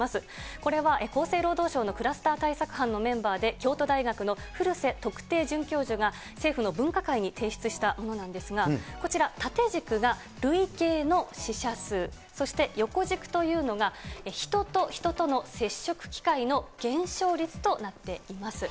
これは厚生労働省のクラスター対策班のメンバーで、京都大学の古瀬特定准教授が政府の分科会に提出したものなんですが、こちら、縦軸が累計の死者数、そして横軸というのが人と人との接触機会の減少率となっています。